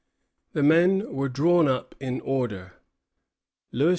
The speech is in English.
The men were drawn up in order; Louis XV.